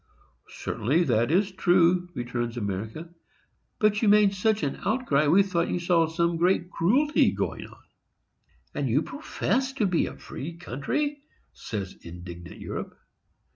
"Certainly that is true," returns America; "but you made such an outcry, we thought you saw some great cruelty going on." "And you profess to be a free country!" says indignant Europe.